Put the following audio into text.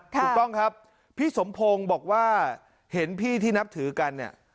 ถูกต้องครับพี่สมพงศ์บอกว่าเห็นพี่ที่นับถือกันเนี่ย